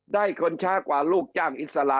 คนช้ากว่าลูกจ้างอิสระ